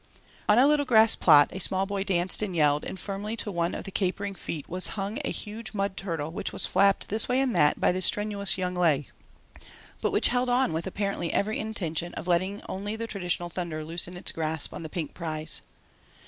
On a little grass plot a small boy danced and yelled and firmly to one of the capering feet was hung a large mud turtle which was flapped this way and that by the strenuous young leg, but which held on with apparently every intention of letting only the traditional thunder loosen its grasp on the pink prize.